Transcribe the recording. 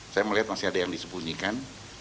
saya melihat masih ada yang disembunyikan